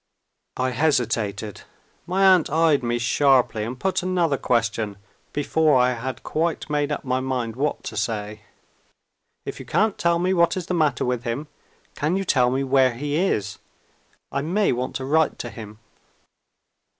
I hesitated. My aunt eyed me sharply, and put another question before I had quite made up my mind what to say. "If you can't tell me what is the matter with him, can you tell me where he is? I may want to write to him."